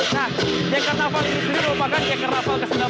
nah jakarnaval ini sendiri merupakan jakarnaval ke enam belas